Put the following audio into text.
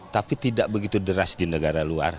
tapi tidak begitu deras di negara luar